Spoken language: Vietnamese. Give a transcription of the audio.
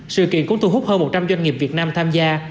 sự kiện cũng thu hút hơn một trăm linh doanh nghiệp việt nam tham gia